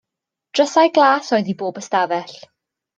Drysau glas oedd i bob ystafell.